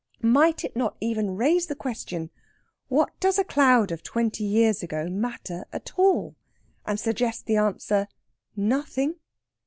Might it not even raise the question, "What does a cloud of twenty years ago matter at all?" and suggest the answer, "Nothing?